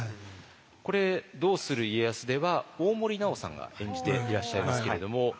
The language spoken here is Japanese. これ「どうする家康」では大森南朋さんが演じていらっしゃいますけれども。